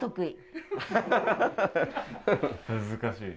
難しい。